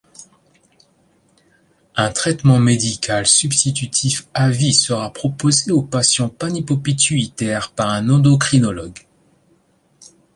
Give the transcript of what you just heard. Un traitement médical substitutif à vie sera proposé aux patients panhypopituitaires par un endocrinologue.